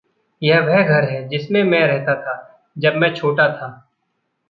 यह वह घर है जिसमें मैं रहता था जब मैं छोटा था।